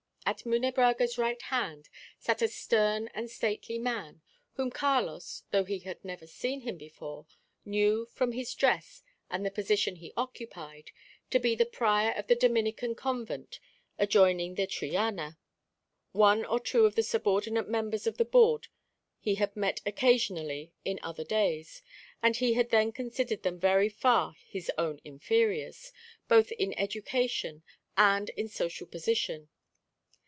At Munebrãga's right hand sat a stern and stately man, whom Carlos, though he had never seen him before, knew, from his dress and the position he occupied, to be the prior of the Dominican convent adjoining the Triana. One or two of the subordinate members of the Board he had met occasionally in other days, and he had then considered them very far his own inferiors, both in education and in social position.